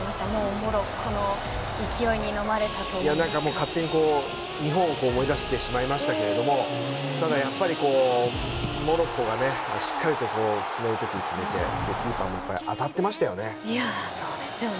モロッコの勢いに勝手に日本を思い出してしまいましたけどただモロッコがしっかりと決める時に決めてキーパーも当たってましたよね。